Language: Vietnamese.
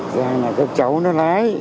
dạ là các cháu nó lái